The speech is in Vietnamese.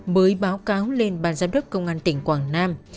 mới báo cáo lên ban giám đốc công an tỉnh quảng nam